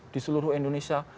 di seluruh indonesia